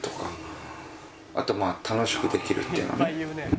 あとまあ楽しくできるっていうね。